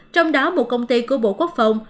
trong đó một công ty của bộ quốc phòng